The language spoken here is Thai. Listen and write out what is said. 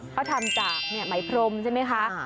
เขาทำจากเนี่ยไหมพรมใช่ไหมคะอ่า